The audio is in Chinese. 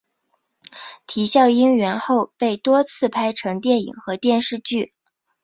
啼笑因缘后被多次拍成电影和电视剧。